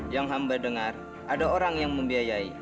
yang hamba dengar ada orang yang membiayai